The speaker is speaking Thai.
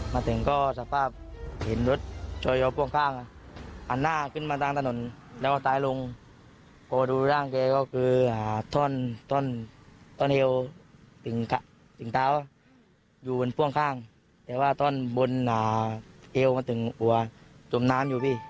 นางเกลวมาถึงหัวจมน้ำอยู่พี่